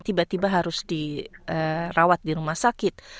tiba tiba harus dirawat di rumah sakit